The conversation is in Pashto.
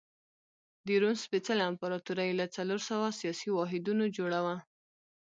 د روم سپېڅلې امپراتوري له څلور سوه سیاسي واحدونو جوړه وه.